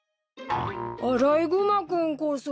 アライグマ君こそ。